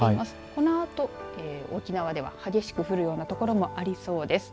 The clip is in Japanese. このあと、沖縄では激しく降るような所もありそうです。